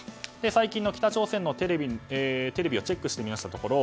最近の北朝鮮のテレビをチェックしてみましたところ